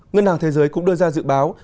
ngân hàng thế giới cũng đưa ra dự báo